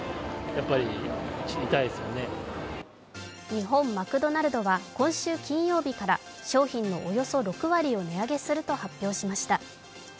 日本マクドナルドは今週金曜日から商品のおよそ６割を値上げすると発表しました。